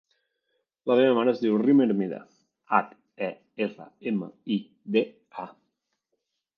La meva mare es diu Rim Hermida: hac, e, erra, ema, i, de, a.